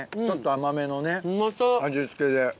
ちょっと甘めのね味付けで。